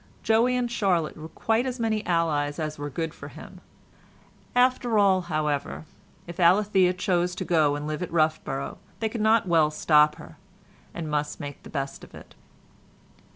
Joey and Charlotte were quite as many allies as were good for him. After all, however, if Alethea chose to go and live at Roughborough, they could not well stop her, and must make the best of it.